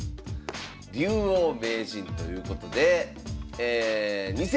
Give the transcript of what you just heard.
「竜王名人」ということで。